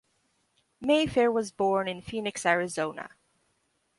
Mayfair was born in Phoenix, Arizona.